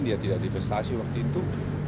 dia tidak divestasi waktu itu